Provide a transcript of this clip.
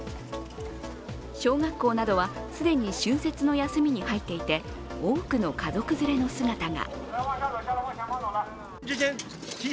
小学校などは既に春節の休みに入っていて多くの家族連れの姿が。